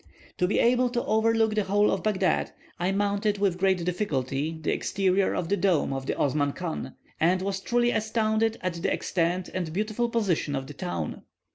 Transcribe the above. To be able to overlook the whole of Baghdad, I mounted, with great difficulty, the exterior of the dome of the Osman Chan, and was truly astounded at the extent and beautiful position of the town.